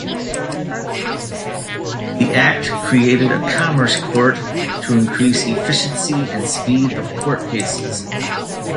The act created a commerce court to increase efficiency and speed of court cases.